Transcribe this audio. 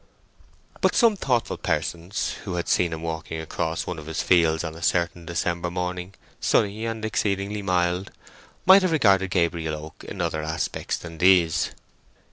But some thoughtful persons, who had seen him walking across one of his fields on a certain December morning—sunny and exceedingly mild—might have regarded Gabriel Oak in other aspects than these.